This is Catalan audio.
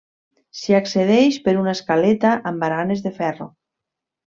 S'hi accedeix per una escaleta amb baranes de ferro.